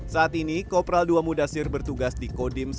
saat ini kopral ii mudasir bertugas di kodim